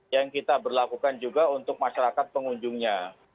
yang kita berlakukan juga untuk masyarakat pengunjungnya